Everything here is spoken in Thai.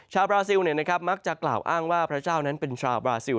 บราซิลมักจะกล่าวอ้างว่าพระเจ้านั้นเป็นชาวบราซิล